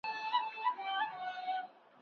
د انسان طبيعت د خداي د ارادې یوه نماینده ده.